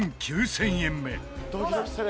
「ドキドキする。